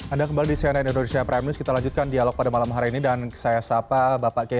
anda kembali di cnn indonesia prime news kita lanjutkan dialog pada malam hari ini